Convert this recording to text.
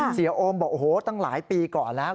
โอมบอกโอ้โหตั้งหลายปีก่อนแล้ว